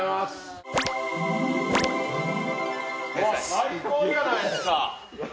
最高じゃないですか！